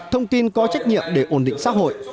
thông tin có trách nhiệm để ổn định xã hội